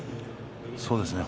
そうですね。